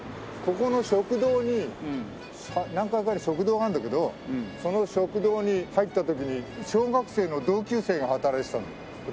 ここの食堂に何階かに食堂があるんだけどその食堂に入った時に小学生の同級生が働いてたんだよ店員で。